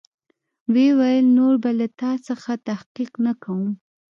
ويې ويل نور به له تا څخه تحقيق نه کوم.